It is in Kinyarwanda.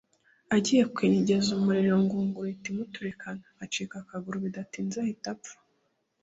agiye kwenyegeza umuriro iyo ngunguru ihita imuturikana acika akaguru bidatinze ahita apfa